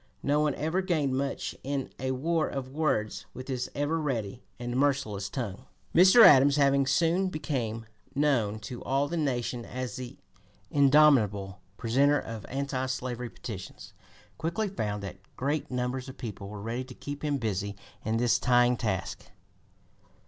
No one ever gained much in a war of words with this ever ready and merciless tongue. Mr. Adams, having soon become known to all the nation as the indomitable presenter of anti slavery petitions, quickly found that great numbers of people were ready to keep him busy in this trying task.